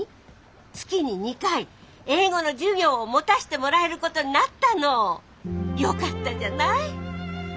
月に２回英語の授業を持たしてもらえることになったの！よかったじゃない。